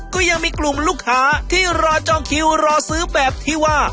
ก็ยังมีกลุ่มลูกค้าที่รอจองคิวรอซื้อแบบที่ว่า